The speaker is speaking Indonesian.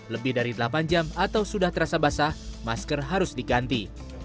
lebih dari delapan jam atau sudah terasa basah masker harus diganti